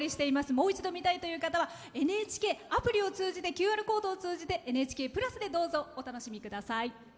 もう一度見たいという方はＮＨＫアプリを通じてＱＲコードを通じて「ＮＨＫプラス」でどうぞお楽しみください。